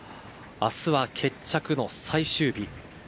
明日は決着の最終日。